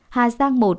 hà giang một